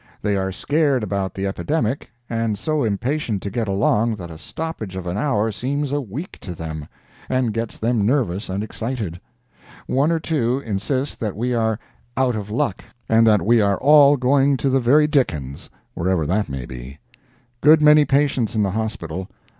They are scared about the epidemic and so impatient to get along that a stoppage of an hour seems a week to them, and gets them nervous and excited. One or two insist that we are 'out of luck,' and that we are all going to the very dickens, wherever that may be. Good many patients in the hospital.